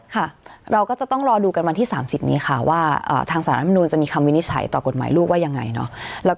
ค่ะเราก็จะต้องรอดูกันวันที่๓๐นี้ค่ะว่าทางสารรัฐมนุนจะมีคำวินิจฉัยต่อกฎหมายลูกว่ายังไงเนาะ